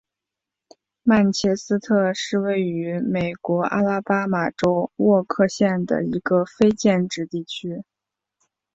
曼彻斯特是位于美国阿拉巴马州沃克县的一个非建制地区。